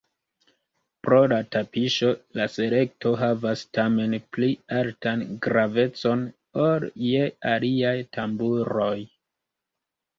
Pro la tapiŝo la selekto havas tamen pli altan gravecon ol je aliaj tamburoj.